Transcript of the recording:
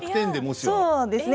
そうですね。